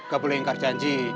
gak boleh ingkar janji